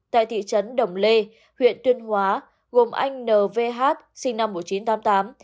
tại thị trấn đồng lê huyện tuyên hóa gồm anh n v sinh năm một nghìn chín trăm tám mươi tám